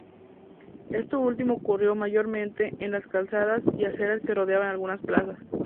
Esto último ocurrió mayormente en las calzadas y aceras que rodeaban algunas plazas.